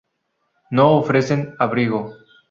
No ofrecen abrigo.